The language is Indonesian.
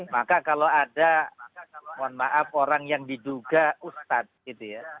maka kalau ada mohon maaf orang yang diduga ustadz gitu ya